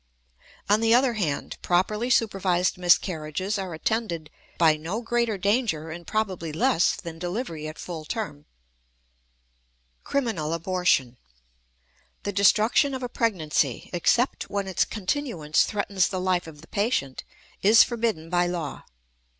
On the other hand, properly supervised miscarriages are attended by no greater danger and probably less than delivery at full term. CRIMINAL ABORTION. The destruction of a pregnancy, except when its continuance threatens the life of the patient, is forbidden by law.